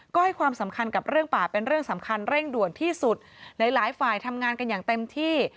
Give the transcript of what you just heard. ก็ให้ความสำคัญกับเรื่องป่าเป็นเรื่องสำคัญเร่งด่วนที่สุดหลายหลายฝ่ายทำงานกันอย่างเต็มที่